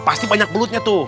pasti banyak belutnya tuh